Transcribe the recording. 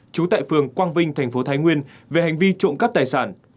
trú tại phường quang vinh thành phố thái nguyên về hành vi trộm cắp tài sản